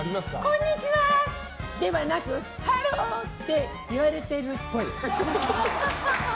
こんにちはではなくハローって言われてるっぽい。